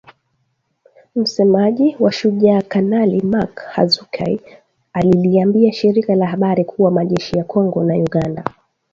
Msemaji wa Shujaa Kanali Mak Hazukay aliliambia shirika la habari kuwa majeshi ya Kongo na Uganda